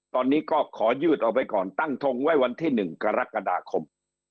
ตอนนี้ก็ขอยืดออกไปก่อนตั้งทงไว้วันที่๑กรกฎาคม